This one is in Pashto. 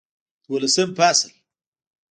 دولسم فصل